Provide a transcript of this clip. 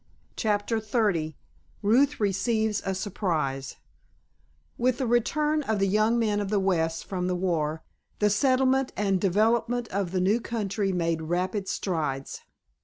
*CHAPTER XXX* *RUTH RECEIVES A SURPRISE* With the return of the young men of the West from the war the settlement and development of the new country made rapid strides.